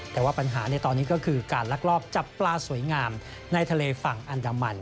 แต่ว่าปัญหาในตอนนี้ก็คือการลักลอบจับปลาสวยงามในทะเลฝั่งอันดามัน